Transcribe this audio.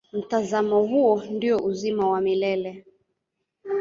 Mtazamo huo ndio uzima wa milele.